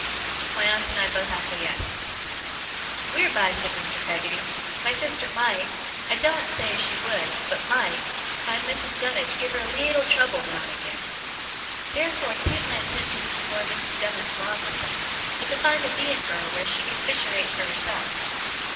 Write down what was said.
My aunt and I both acquiesced. 'Wheerby,' said Mr. Peggotty, 'my sister might I doen't say she would, but might find Missis Gummidge give her a leetle trouble now and again. Theerfur 'tan't my intentions to moor Missis Gummidge 'long with them, but to find a Beein' fur her wheer she can fisherate for herself.